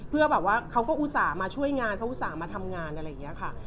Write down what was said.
เพื่อแบบว่าเขาก็อุตส่าห์มาช่วยงานเขาอุตส่าห์มาทำงานอะไรอย่างนี้ค่ะ